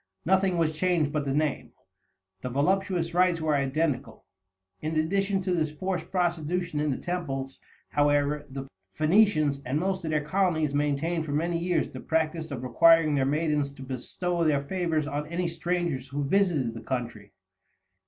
Nothing was changed but the name; the voluptuous rites were identical. In addition to the forced prostitution in the temples, however, the Phoenicians and most of their colonies maintained for many years the practice of requiring their maidens to bestow their favors on any strangers who visited the country.